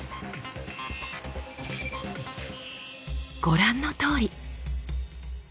ご覧のとおり。